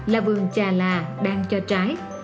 là vườn trà lạ đang trò trái